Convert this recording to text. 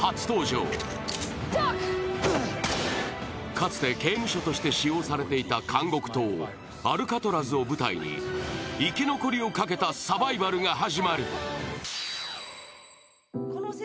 かつて刑務所として使用されていた監獄島、アルカトラズを舞台に生き残りをかけたサバイバルが始まる。